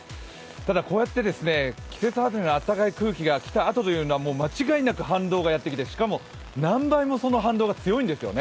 ただ、こうやって季節外れの暖かい空気が来たあとは、間違いなく反動がやってきて、しかも何倍もその反動が強いんですよね。